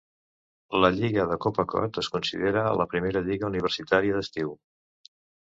La lliga de Cape Cod es considera la primera lliga universitària d'estiu.